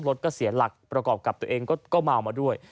รถก็เสียหลักประกอบกับตัวเองก็เมามาด้วย